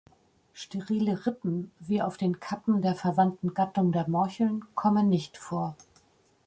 Sterile Rippen wie auf den "Kappen" der verwandten Gattung der Morcheln kommen nicht vor.